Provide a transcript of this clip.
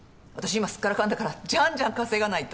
今すっからかんだからじゃんじゃん稼がないと。